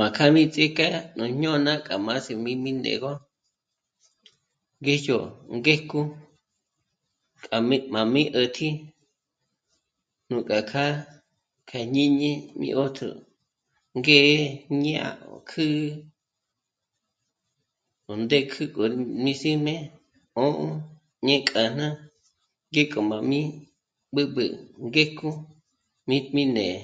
Má ká mí ts'íjk'é nú jñôna k'á má síjmi né'egö, ngë́jyo, ngéjko kjá mí máj mí ä̀tji nú kjákja... kjá jñǐñi mí ä̀tjü ngë̌'ë ñǎ'a kjǚ'ü... ó ndékjü k'o mí sí'me ṓ'ō ñěk'ana ngéko má mí b'ǚb'ü ngéko míjpji ně'e